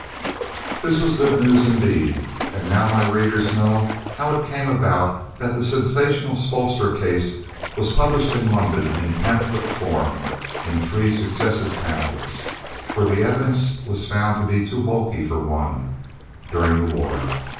This was good news indeed, and now my readers know how it came about that the sensational Spoelstra case was published in London in pamphlet form (in three successive pamphlets, for the evidence was found to be too bulky for one) during the war.